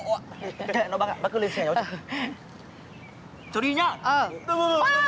thế nó bác ạ bác cứ lên xe nó cho